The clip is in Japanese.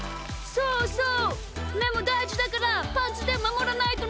そうそう！